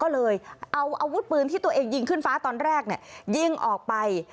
ก็เลยเอาอาวุธปืนที่ตัวเองยิงขึ้นฟ้าตอนแรกยิงออกไป